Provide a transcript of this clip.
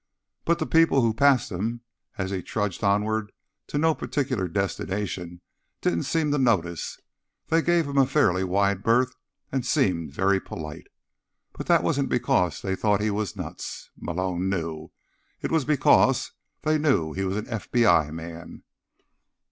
But the people who passed him as he trudged onward to no particular destination didn't seem to notice; they gave him a fairly wide berth, and seemed very polite, but that wasn't because they thought he was nuts, Malone knew. It was because they knew he was an FBI man.